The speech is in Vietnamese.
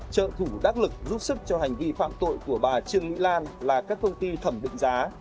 trợ thủ đắc lực giúp sức cho hành vi phạm tội của bà trương mỹ lan là các công ty thẩm định giá